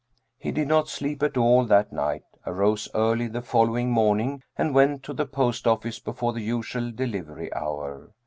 He did not sleep at all that night, arose early the following morning and went to the post office before the usual delivery hour.